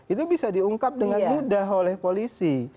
itu bisa diungkap dengan mudah oleh polisi